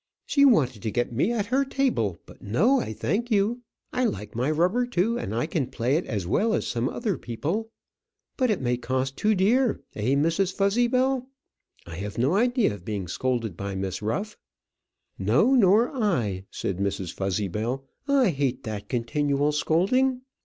"She wanted to get me at her table. But no, I thank you. I like my rubber too, and can play it as well as some other people. But it may cost too dear, eh, Mrs. Fuzzybell? I have no idea of being scolded by Miss Ruff." "No, nor I," said Mrs. Fuzzybell. "I hate that continual scolding.